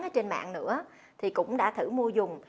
ở trên mạng nữa thì cũng đã thử mua dùng